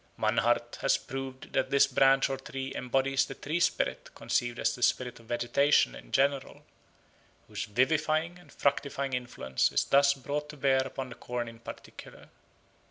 Mannhardt has proved that this branch or tree embodies the tree spirit conceived as the spirit of vegetation in general, whose vivifying and fructifying influence is thus brought to bear upon the corn in particular.